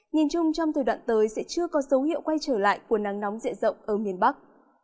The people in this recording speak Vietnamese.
nhìn chung trong thời đoạn tới sẽ chưa có dấu hiệu quay trở lại của nắng nóng diện rộng ở miền bắc